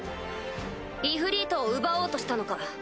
イフリートを奪おうとしたのか？